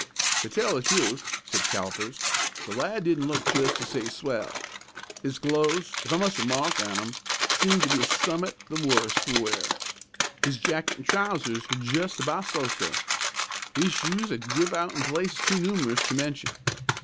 "To tell the truth," said Callipers, "the lad didn't look just to say swell. 'Is clothes, if I must remark on 'em, seemed to be summat the worse for wear. His jacket an' trousers was jest about so so. 'Is shoes 'ad give out in places too numerous to mention.